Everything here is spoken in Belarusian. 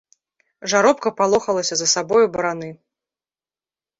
Жаробка палохалася за сабою бараны.